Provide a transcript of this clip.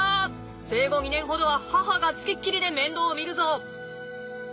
生後２年ほどは母が付きっきりで面倒を見るぞ！